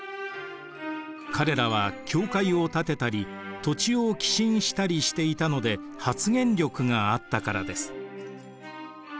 彼らは教会を建てたり土地を寄進したりしていたので発言力があったからです。